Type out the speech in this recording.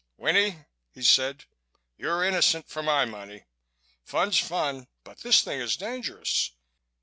"Winnie," he said, "you're innocent for my money. Fun's fun but this thing is dangerous.